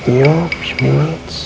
yup bingit siup